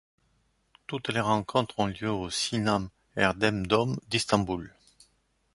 Toutes les rencontres ont lieu au Sinan Erdem Dome d'Istanbul.